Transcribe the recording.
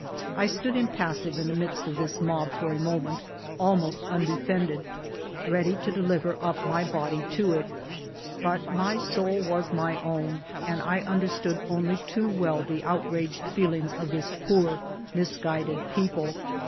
I stood impassive in the midst of this mob for a mo ment, almost undefended, ready to deliver up my body to it. But my soul was my own, and I understood only too well the outraged feelings of this poor misguided people.